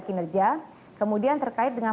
kinerja kemudian terkait dengan